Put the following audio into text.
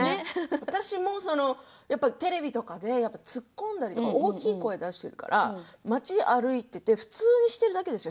私もテレビとかで突っ込んだりとか大きい声を出したりするから街を歩いていて普通にしているだけですよ？